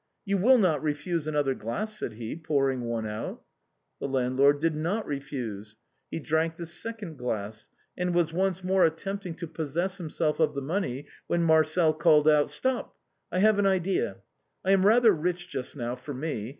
" You will not refuse another glass ?" said he, pouring one out. The landlord did not refuse. He drank the second glass, and was once more attempting to possess himself of the money, when Marcel called out: "Stop ! I have an idea. I am rather rich just now, for me.